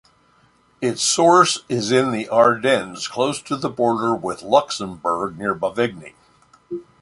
Its source is in the Ardennes, close to the border with Luxembourg near Bovigny.